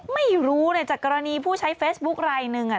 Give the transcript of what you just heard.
ไม่รู้เลยจากกรณีผู้ใช้เฟซบุ๊คลายหนึ่ง